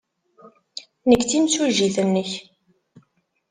Nekk d timsujjit-nnek.